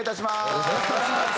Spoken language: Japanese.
よろしくお願いします。